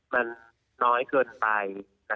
มันน้อยเกินไป